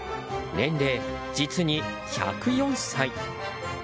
年齢、実に１０４歳。